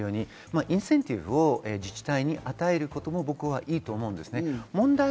河野大臣がおっしゃるように、インセンティブを自治体に与えることも僕はいいと思うんです。